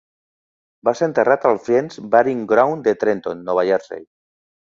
Va ser enterrat al Friends Burying Ground de Trenton, Nova Jersey.